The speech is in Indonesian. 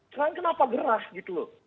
sekarang kenapa gerah gitu loh